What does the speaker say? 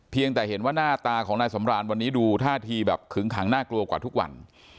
แต่เห็นว่าหน้าตาของนายสำรานวันนี้ดูท่าทีแบบขึงขังน่ากลัวกว่าทุกวัน